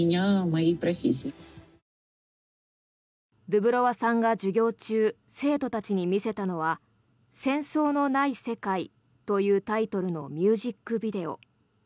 ドゥブロワさんが授業中生徒たちに見せたのは「戦争のない世界」というタイトルのミュージックビデオ。